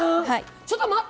ちょっと待って！